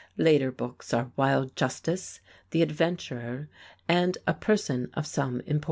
Later books are "Wild Justice," "The Adventurer," and "A Person of Some Importance."